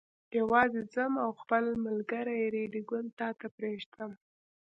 یوازې ځم او خپل ملګری ریډي ګل تا ته پرېږدم.